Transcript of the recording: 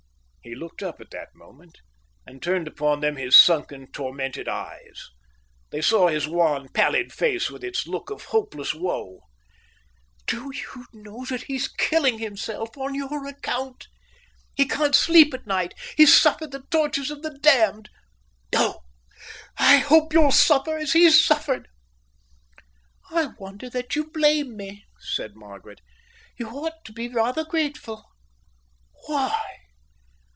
He looked up at that moment and turned upon them his sunken, tormented eyes. They saw his wan, pallid face with its look of hopeless woe. "Do you know that he's killing himself on your account? He can't sleep at night. He's suffered the tortures of the damned. Oh, I hope you'll suffer as he's suffered!" "I wonder that you blame me," said Margaret. "You ought to be rather grateful." "Why?"